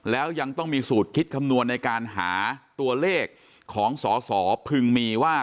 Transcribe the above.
แล้วยังต้องมีสูตรคิดคำนวณในการหาตัวเลขของสอสอพึงมีว่า